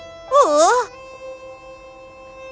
oh ini sangat cantik